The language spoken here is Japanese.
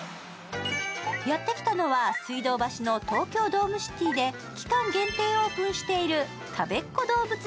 やってきたのは水道橋の東京ドームシティで期間限定オープンしているたべっ子どうぶつ